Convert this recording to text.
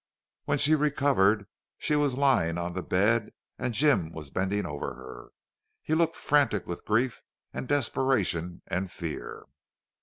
When she recovered she was lying on the bed and Jim was bending over her. He looked frantic with grief and desperation and fear.